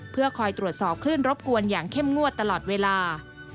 เพื่อคอยตรวจสอบคลื่นรบกวนอย่างเข้มงวดตลอดเวลา